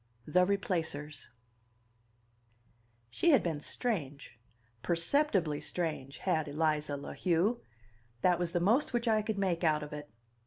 XIV: The Replacers She had been strange, perceptibly strange, had Eliza La Heu; that was the most which I could make out of it.